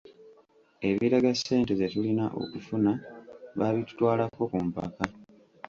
Ebiraga ssente ze tulina okufuna baabitutwalako ku mpaka.